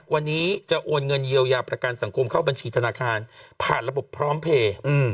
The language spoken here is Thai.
วันนี้จะโอนเงินเยียวยาประกันสังคมเข้าบัญชีธนาคารผ่านระบบพร้อมเพลย์